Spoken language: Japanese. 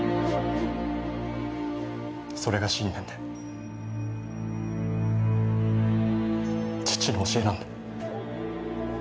それが信念で父の教えなので。